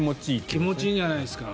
気持ちいいんじゃないですか。